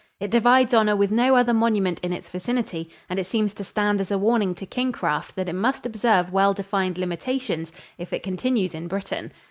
It divides honor with no other monument in its vicinity and it seems to stand as a warning to kingcraft that it must observe well defined limitations if it continues in Britain.